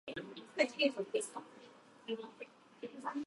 禅智内供の鼻と云えば、池の尾で知らない者はない。